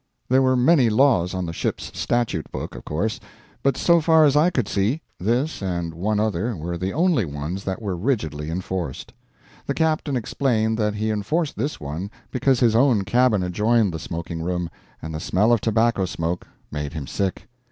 There were many laws on the ship's statute book of course; but so far as I could see, this and one other were the only ones that were rigidly enforced. The captain explained that he enforced this one because his own cabin adjoined the smoking room, and the smell of tobacco smoke made him sick.